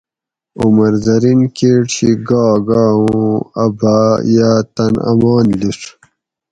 عمر زرین کیٹ شی گا گا اُوں ا بھاۤ یاۤ تن امان لِیڄ